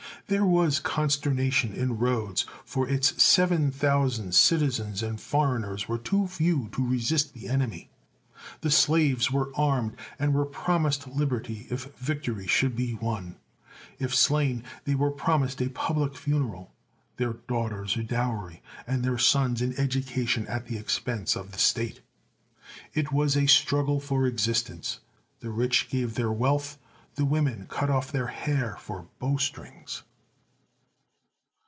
There was consternation in Rhodes, for its seven thousand citizens and foreigners were too few to resist the enemy. The slaves were armed and were promised liberty if victory should be won; if slain, they were promised a public funeral, their 160 THE SEI/EN WONDERS daughters a dowry, and their sons an education at the expense of the state. It was a struggle for existence; the rich gave their wealth; the women cut off their hair for bow strings.